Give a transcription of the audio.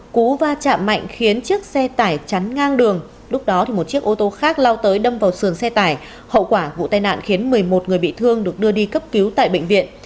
cú va chạm mạnh khiến chiếc xe tải chắn ngang đường lúc đó một chiếc ô tô khác lao tới đâm vào sườn xe tải hậu quả vụ tai nạn khiến một mươi một người bị thương được đưa đi cấp cứu tại bệnh viện